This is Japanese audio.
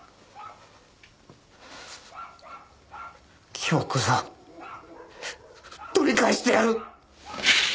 今日こそ取り返してやる！